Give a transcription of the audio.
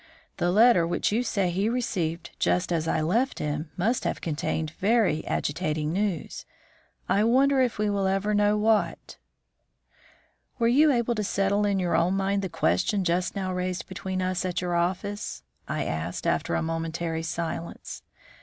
The letter which you say he received just as I left him must have contained very agitating news. I wonder if we will ever know what." "Were you able to settle in your own mind the question just now raised between us at your office?" I asked, after a momentary silence.